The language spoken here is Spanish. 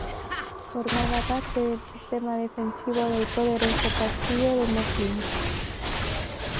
Formaba parte del sistema defensivo del poderoso Castillo de Moclín.